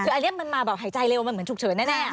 คืออันนี้มันมาแบบหายใจเร็วมันเหมือนฉุกเฉินแน่